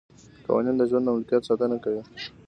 قوانین د ژوند او ملکیت ساتنه کوي.